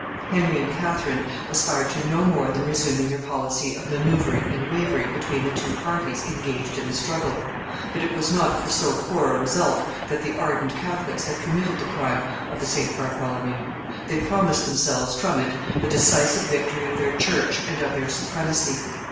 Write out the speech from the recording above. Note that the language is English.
Henry and Catherine aspired to no more than resuming their policy of manoeuvring and wavering between the two parties engaged in the struggle; but it was not for so poor a result that the ardent Catholics had committed the crime of the St. Bartholomew; they promised themselves from it the decisive victory of their church and of their supremacy.